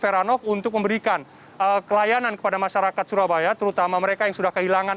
heranov untuk memberikan pelayanan kepada masyarakat surabaya terutama mereka yang sudah kehilangan